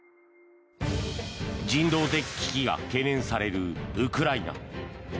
人道的危機が懸念されるウクライナ。